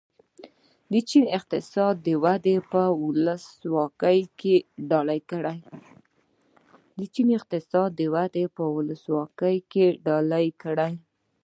د چین اقتصادي وده به ولسواکي ډالۍ کړي.